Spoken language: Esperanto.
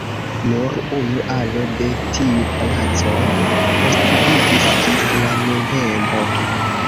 Nur unu alo de tiu palaco postvivis ĝis la nuntempo.